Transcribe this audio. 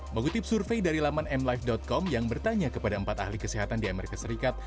mengutip survei dari laman mlive com yang bertanya kepada empat ahli kesehatan di amerika serikat